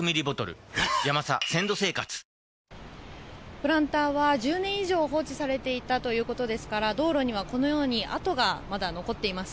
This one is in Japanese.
プランターは１０年以上放置されていたということですから道路には、このように跡がまだ残っています。